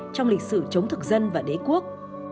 trong lịch sử chống thực dân và đế quốc